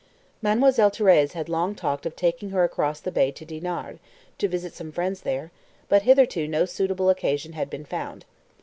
Mademoiselle Thérèse had long talked of taking her across the bay to Dinard, to visit some friends there, but hitherto no suitable occasion had been found.